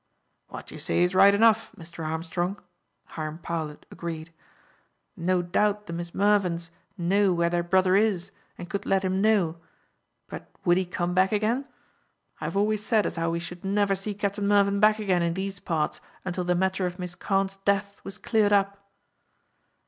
"What you say is right enough, Mr. Armstrong," Hiram Powlett agreed. "No doubt the Miss Mervyns know where their brother is, and could let him know; but would he come back again? I have always said as how we should never see Captain Mervyn back again in these parts until the matter of Miss Carne's death was cleared up."